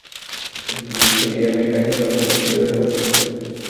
Estudió Ingeniería Mecánica en la Universidad de Waseda.